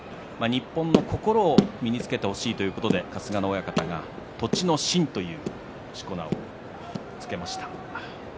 日本の心を身につけてほしいということで春日野親方が栃ノ心というしこ名を付けました。